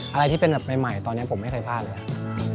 อะไรที่เป็นแบบใหม่ตอนนี้ผมไม่เคยพลาดเลยครับ